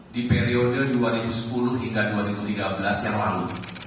di periode dua ribu sepuluh hingga dua ribu tiga belas yang lalu